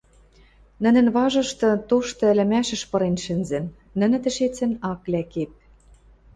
Нӹнӹн важышты тошты ӹлӹмӓшӹш пырен шӹнзӹн, нӹнӹ тӹшецӹн ак лӓкеп.